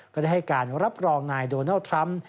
ก็ได้ให้การรับรองนายโดนัลด์ทรัมป์